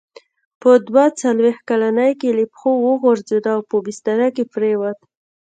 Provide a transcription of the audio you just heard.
په دوه څلوېښت کلنۍ کې له پښو وغورځېد او په بستره کې پرېووت.